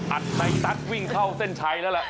อัดในตัสวิ่งเข้าเส้นชัยแล้วล่ะ